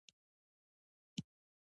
تواب ګوته ونيوله.